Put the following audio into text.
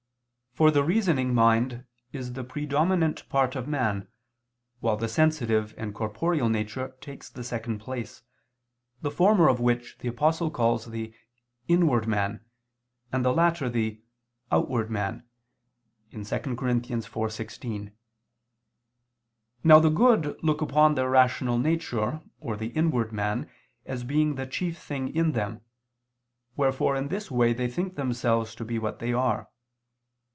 For the reasoning mind is the predominant part of man, while the sensitive and corporeal nature takes the second place, the former of which the Apostle calls the "inward man," and the latter, the "outward man" (2 Cor. 4:16). Now the good look upon their rational nature or the inward man as being the chief thing in them, wherefore in this way they think themselves to be what they are.